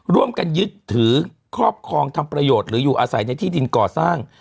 ร่วมกันยึดถือครอบครองทำประโยชน์หรืออยู่อาศัยในที่ดินก่อสร้าง